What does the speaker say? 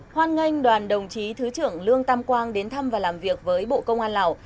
hoan nghênh đoàn đồng chí thứ trưởng lương tam quang đến thăm và làm việc với bộ công an lào